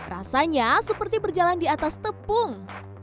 rasanya seperti berjalan di atas tepung